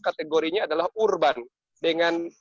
kategorinya adalah urban dengan